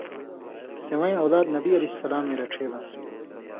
سِوَیں اولاد نبی علیہ السلامے رڇھېلان٘س۔